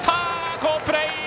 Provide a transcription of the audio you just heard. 好プレー！